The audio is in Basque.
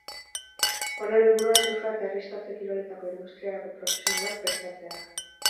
Honen helburua, surfa eta irristatze kiroletako industriarako profesionalak prestatzea da.